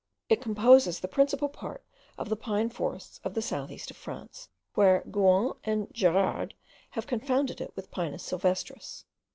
It composes the principal part of the pine forests of the south east of France, where Gouan and Gerard have confounded it with the Pinus sylvestris.